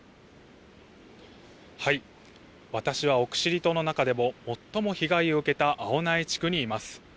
私は奥尻島の中でも最も被害を受けた青苗地区にいます。